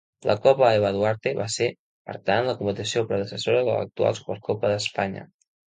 La Copa Eva Duarte va ser, per tant, la competició predecessora de l'actual Supercopa d'Espanya.